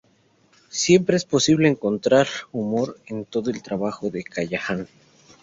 Siempre es posible encontrar humor en todo el trabajo de Callahan.